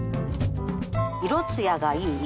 色つやがいい。